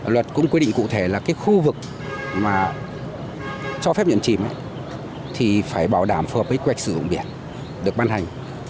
luật cũng quy định cụ thể là khu vực cho phép nhận chìm phải bảo đảm phù hợp với quy hoạch sử dụng biển được ban hành